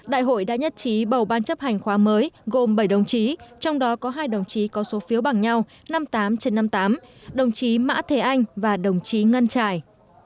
đại hội đã nhất trí bầu ban chấp hành khóa mới gồm bảy đồng chí trong đó có hai đồng chí có số phiếu bằng nhau năm mươi tám trên năm mươi tám đồng chí mã thế anh và đồng chí ngân trải